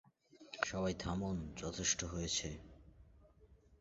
সবাই থামুন, যথেষ্ট হয়েছে।